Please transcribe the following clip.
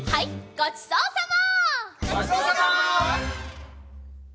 ごちそうさま！